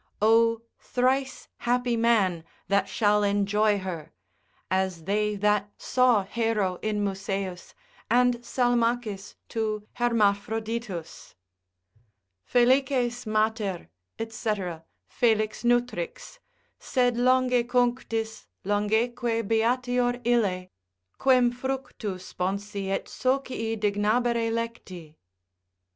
O thrice happy man that shall enjoy her: as they that saw Hero in Museus, and Salmacis to Hermaphroditus, ———Felices mater, &c. felix nutrix.— Sed longe cunctis, longeque beatior ille, Quem fructu sponsi et socii dignabere lecti.